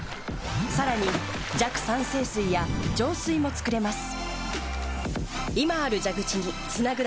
さらに弱酸性水や浄水も作れます。